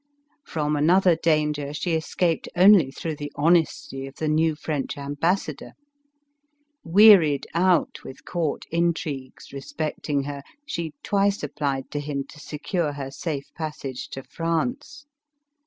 From another danger she escaped only through the honesty of the new French ambassador. Wearied out with court intrigues respecting her, she twice applied to him to secure her safe passage to France.